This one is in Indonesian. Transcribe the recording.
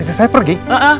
istri saya pergi